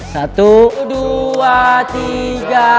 satu dua tiga